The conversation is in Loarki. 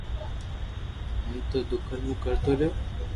ھون تو دڪل مون ڪرتو رھيو